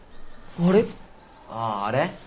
あああれ？